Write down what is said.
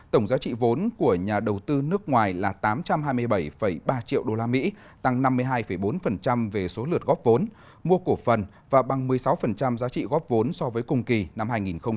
tổng giá trị vốn của nhà đầu tư nước ngoài là tám trăm hai mươi bảy ba triệu usd tăng năm mươi hai bốn về số lượt góp vốn mua cổ phần và bằng một mươi sáu giá trị góp vốn so với cùng kỳ năm hai nghìn một mươi chín